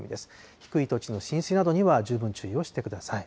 低い土地の浸水などには十分注意をしてください。